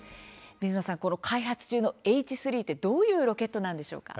水野さん、この開発中のＨ３ってどういうロケットなんでしょうか。